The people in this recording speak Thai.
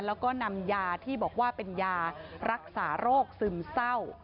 แล้วก็นำยาที่บอกว่าเป็นยารักษาโรคซึมเศร้า